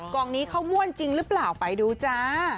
กองนี้เขาม่วนจริงหรือเปล่าไปดูจ้า